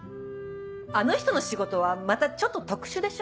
あの人の仕事はまたちょっと特殊でしょ？